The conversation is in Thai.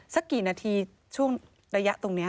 สักกี่นาทีตรงนี้